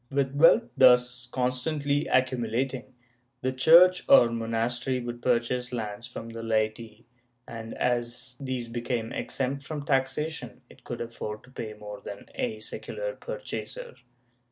With wealth thus constantly accumulating, the church or monastery would purchase lands from the laity, and as these became exempt from taxation it could afford to pay more than a secular purchaser.